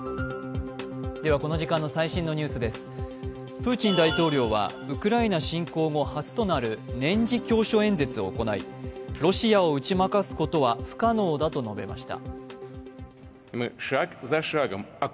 プーチン大統領はウクライナ侵攻後初となる年次教書演説を行いロシアを打ち負かすことは不可能だと述べました。